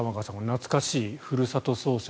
懐かしいふるさと創生。